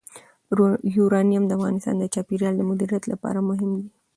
یورانیم د افغانستان د چاپیریال د مدیریت لپاره مهم دي.